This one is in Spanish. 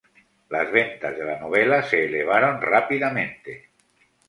Las ventas de la novela se elevaron rápidamente.